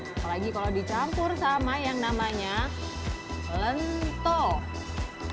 apalagi kalau dicampur sama yang namanya lento